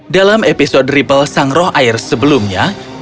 dalam episode ribble sang roh air sebelumnya